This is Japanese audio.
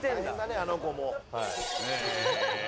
あの子も。